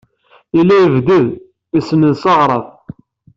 Yella yebded, isenned s aɣrab.